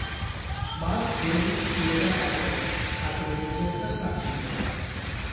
მათ ბევრი თხზულება დაწერეს ხატმბრძოლთა სამხილებლად.